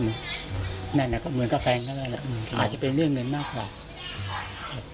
นั่นแหละก็เหมือนกับแฟนก็เลยแหละอืมอาจจะเป็นเรื่องเงินมากกว่าครับ